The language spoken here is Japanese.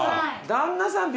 旦那さん